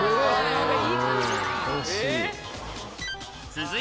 惜しい！